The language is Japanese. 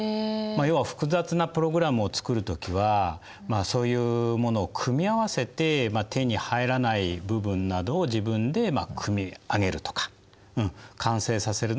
要は複雑なプログラムを作る時はそういうものを組み合わせて手に入らない部分などを自分で組み上げるとか完成させるのが一般的なんですね。